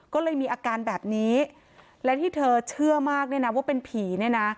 ก็เลยมีอาการแบบนี้และที่เธอเชื่อมากเนี่ยนะว่าเป็นผีเนี่ยนะ